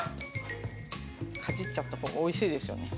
かじっちゃった方がおいしいですよね。